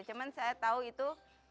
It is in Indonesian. cuman saya tahu itu